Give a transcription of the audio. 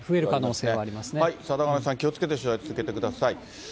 貞包さん、気をつけて取材を続けてください。